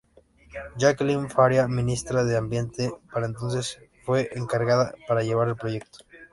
Jacqueline Faría, ministra de ambiente para entonces, fue encargada de llevar el proyecto.